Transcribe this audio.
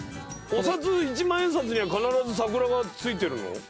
お札一万円札には必ず桜がついてるの？